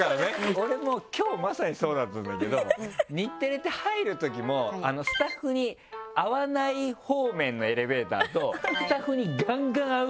俺もう今日まさにそうだったんだけど日テレって入るときもスタッフに会わない方面のエレベーターとスタッフにガンガン会う